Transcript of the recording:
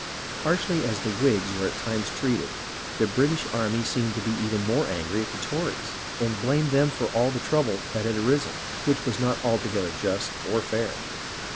Harshly as the Whigs were at times treated, the British army seemed to be even more angry at the Tories, and blamed them for all the trouble that had arisen, which was not altogether just or fair.